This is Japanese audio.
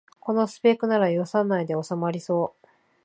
このスペックなら予算内でおさまりそう